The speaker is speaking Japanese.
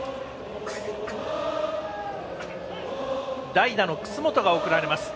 代打の楠本が送られます。